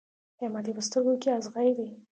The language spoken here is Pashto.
احمد يې په سترګو کې اغزی دی.